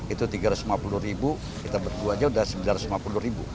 itu tiga ratus lima puluh ribu kita berdua aja udah sembilan ratus lima puluh ribu